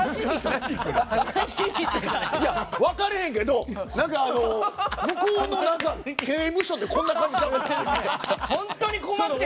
分からへんけど向こうの刑務所ってこんな感じちゃう？